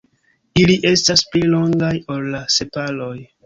Ili estas pli longaj ol la sepaloj.